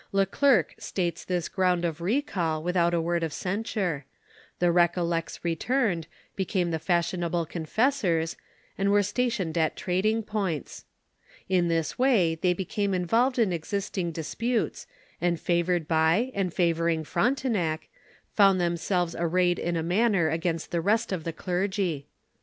Le Clercq states this ground of recall without a word of cen sure; the Recollects returned, became the fashionable confessors, and were stationed at trading points. In this way they became involved in existing dis putes, and favored by and favoring Frontenac, found themselves arrayed in a manner against the rest of the clergy.